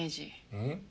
うん？